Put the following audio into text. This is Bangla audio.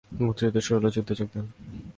মুক্তিযুদ্ধ শুরু হলে যুদ্ধে যোগ দেন।